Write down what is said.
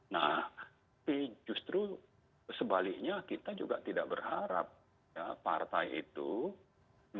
nah justru sebaliknya kita juga tidak berharap